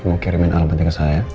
kamu kirimin alamatnya ke saya